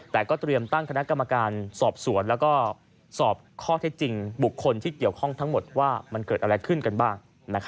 แต่ก็เตรียมตั้งคณะกรรมการสอบสวนแล้วก็สอบข้อเท็จจริงบุคคลที่เกี่ยวข้องทั้งหมดว่ามันเกิดอะไรขึ้นกันบ้าง